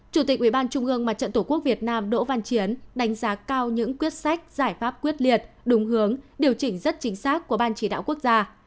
chủ tịch ubnd mà trận tổ quốc việt nam đỗ văn chiến đánh giá cao những quyết sách giải pháp quyết liệt đúng hướng điều chỉnh rất chính xác của ban chỉ đạo quốc gia